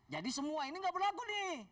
jadi semua ini nggak berlaku nih